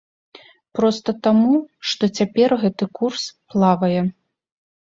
Проста таму, што цяпер гэты курс плавае.